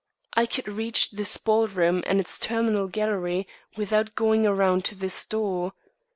I could reach this ballroom and its terminal gallery without going around to this door.